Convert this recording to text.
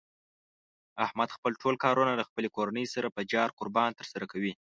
احمد خپل ټول کارونه له خپلې کورنۍ سره په جار قربان تر سره کوي.